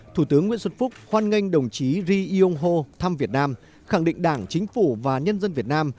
thủ tướng nguyễn xuân phúc hoan nghênh đồng chí ri yong ho thăm việt nam khẳng định đảng chính phủ và nhân dân việt nam